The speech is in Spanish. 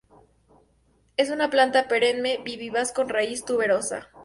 Es una planta perenne y vivaz con raíz tuberosa.